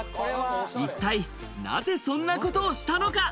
一体なぜそんなことをしたのか？